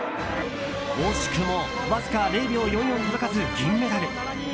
惜しくもわずか０秒４４届かず銀メダル。